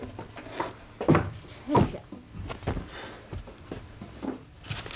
よいしょ。